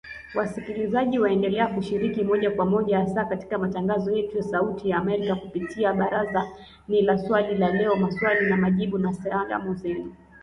Wasikilizaji waendelea kushiriki moja kwa moja hasa katika matangazo yetu ya Sauti ya amerka kupitia Barazani na Swali la Leo Maswali na Majibu na Salamu Zenu